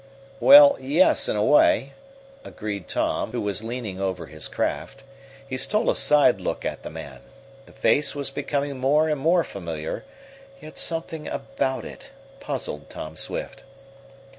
"Well, yes, in a way," agreed Tom, who was bending over his craft. He stole a side look at the man. The face was becoming more and more familiar, yet something about it puzzled Tom Swift.